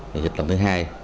thì xịt lần thứ hai